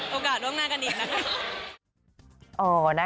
ขอโอกาสด้องหน้ากันอีกนะคะ